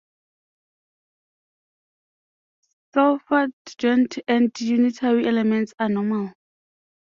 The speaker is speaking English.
Selfadjoint and unitary elements are normal.